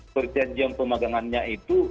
perjanjian pemagangannya itu